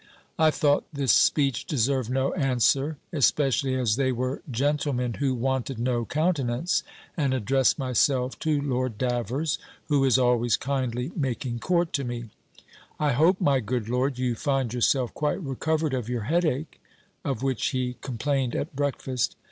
I thought this speech deserved no answer, especially as they were gentlemen who wanted no countenance, and addressed myself to Lord Davers, who is always kindly making court to me: "I hope, my good lord, you find yourself quite recovered of your head ache?" (of which he complained at breakfast).